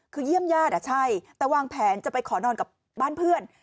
คือเยี่ยมญาติใช่แต่วางแผนจะไปขอนอนกับบ้านเพื่อน